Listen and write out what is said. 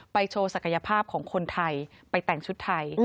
โชว์ศักยภาพของคนไทยไปแต่งชุดไทย